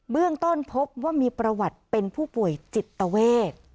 เรื่องต้นพบว่ามีประวัติเป็นผู้ป่วยจิตเวท